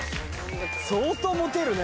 相当モテるね。